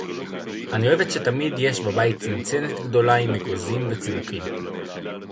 אני אוהבת שתמיד יש בבית צנצנת גדולה עם אגוזים וצימוקים.